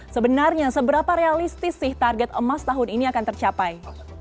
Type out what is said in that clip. sebenarnya seberapa realistis sih target emas tahun ini akan tercapai